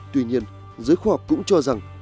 tuy nhiên giới khoa học cũng cho rằng